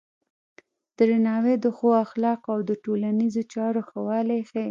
درناوی د ښو اخلاقو او د ټولنیزو چارو ښه والی ښيي.